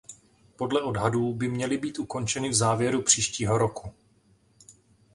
Podle odhadů by měly být ukončeny v závěru příštího roku.